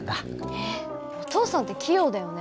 えっお父さんって器用だよね。